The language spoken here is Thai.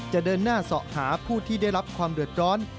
เดินหน้าเสาะหาผู้ที่ได้รับความเดือดร้อน